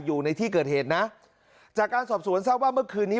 อยู่ในที่เกิดเหตุนะจากการสอบสวนทราบว่าเมื่อคืนนี้